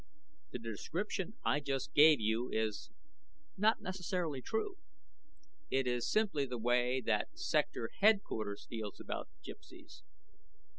The description I just gave you is not necessarily true. It is simply the way that Sector Headquarters feels about Gypsies.